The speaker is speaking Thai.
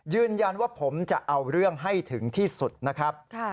ยืนยันว่าผมจะเอาเรื่องให้ถึงที่สุดนะครับ